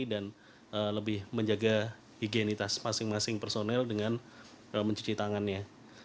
dan lebih menjaga higienitas masing masing personel dengan mencuci tangannya